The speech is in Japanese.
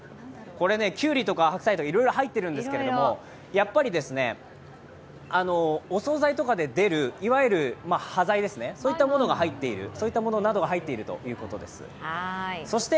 きゅうりとか白菜とかいろいろ入ってるんですけど、やっぱりお総菜とかで出る端材ですね、そういったものなどが入っているということでした。